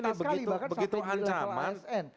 sekarang begini begitu ancaman